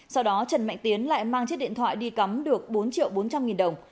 sau đó trần mạnh tiến lại mang chiếc điện thoại đi cắm được bốn triệu bốn trăm linh nghìn đồng